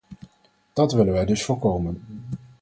Dat willen wij dus voorkomen.